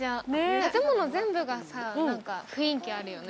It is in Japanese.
建物全部が雰囲気あるよね。